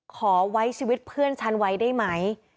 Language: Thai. ขอไว้ชีวิตเพื่อนฉันไว้ได้ไหม